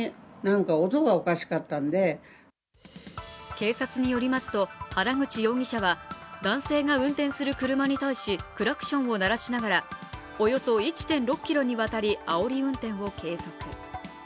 警察によりますと原口容疑者は男性が運転する車に対しクラクションを鳴らしながら、およそ１．６ｋｍにわたりあおり運転を継続。